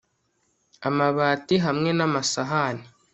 Amabati hamwe namasahani